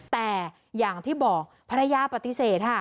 แต่อย่างที่บอกภรรยาปฏิเสธค่ะ